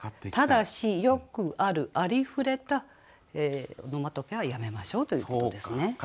ただしよくあるありふれたオノマトペはやめましょうということですね。